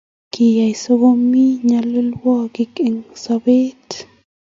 Kaine sigomii nyalilwogik eng sobet?